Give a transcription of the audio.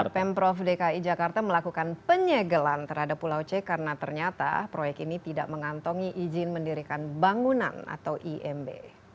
pemprov dki jakarta melakukan penyegelan terhadap pulau c karena ternyata proyek ini tidak mengantongi izin mendirikan bangunan atau imb